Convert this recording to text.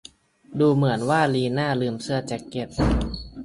ดูเหมือนว่าลีน่าลืมเสื้อแจ๊คเก็ต